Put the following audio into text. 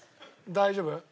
大丈夫？